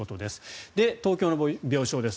東京の病床です。